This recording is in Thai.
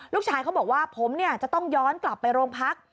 เขาบอกว่าผมจะต้องย้อนกลับไปโรงพัก